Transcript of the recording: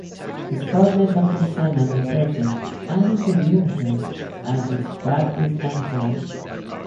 Spotte met Doctor Samad in person and interviewed him at his practice and home.